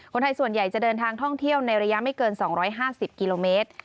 คนไทยส่วนใหญ่จะเดินทางท่องเที่ยวในระยะไม่เกิน๒๕๐กิโลเมตร